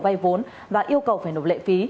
vay vốn và yêu cầu phải nộp lệ phí